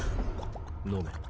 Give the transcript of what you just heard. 飲め。